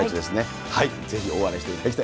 ぜひ、大笑いしていただきた